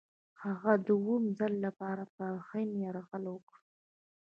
هغه د اووم ځل لپاره پر هند یرغل وکړ.